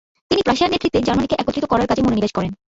তিনি প্রাশিয়ার নেতৃত্বে জার্মানিকে একত্রিত করার কাজে মনোনিবেশ করেন।